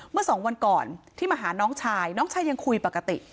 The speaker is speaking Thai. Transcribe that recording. เมื่อสองวันก่อนที่มาหาน้องชายน้องชายยังคุยปกติ